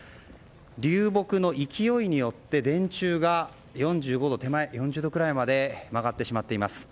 流木の勢いによって電柱が手前４０度くらいまで曲がってしまっています。